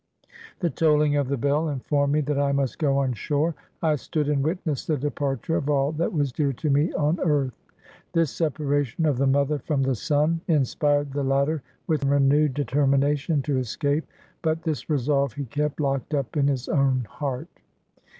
' The tolling of the bell informed me that I must go on shore. I stood and witnessed the departure of all that was clear to me on earth.'* This separation of the mother from the son inspired the latter with renewed determination to escape ; but this resolve he kept locked up in his own heart.